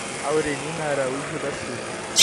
Aurelina Araújo da Silva